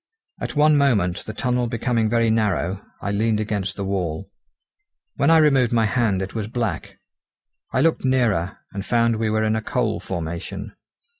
At one moment, the tunnel becoming very narrow, I leaned against the wall. When I removed my hand it was black. I looked nearer, and found we were in a coal formation.